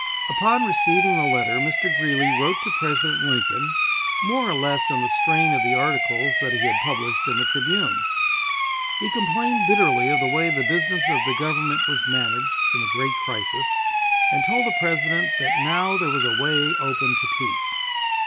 Upon receiving this letter, Mr. Greeley wrote to President Lincoln, more or less in the strain of the articles that he had published in the Tribune. He complained bitterly of the way the business of the Government was managed in the great crisis, and told the President that now there was a way open to peace.